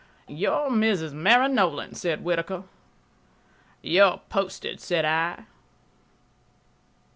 "You're Mrs. Mary Nolan," said Whittaker. "You're posted," said I.